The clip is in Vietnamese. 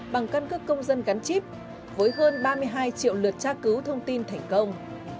bằng căn cước công dân gắn chip với hơn ba mươi hai triệu lượt tra cứu thông tin thành công